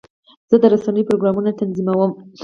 زه د رسنیو پروګرامونه تنظیموم.